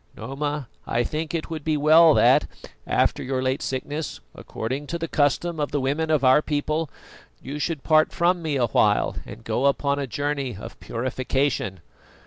Noma, I think it would be well that, after your late sickness, according to the custom of the women of our people, you should part from me a while, and go upon a journey of purification."